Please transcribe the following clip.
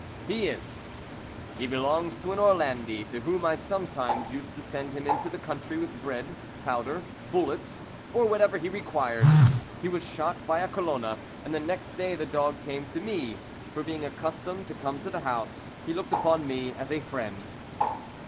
"He is. He belongs to an Orlandi, to whom I sometimes used to send him into the country with bread, powder, bullets, or whatever he required. He was shot by a Colona, and the next day the dog came to me, for being accustomed to come to the house, he looked upon me as a friend."